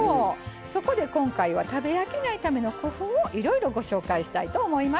そこで今回は食べ飽きないための工夫をいろいろご紹介したいと思います。